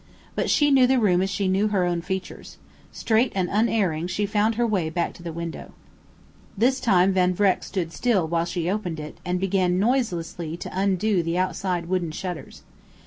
But she knew the room as she knew her own features. Straight and unerring, she found her way back to the window. This time Van Vreck stood still while she opened it and began noiselessly to undo the outside wooden shutters.